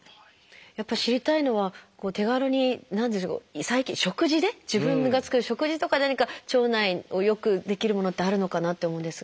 やっぱり知りたいのは手軽に食事で自分が作る食事とかで何か腸内を良くできるものってあるのかなって思うんですが。